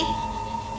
kau gadis yang baik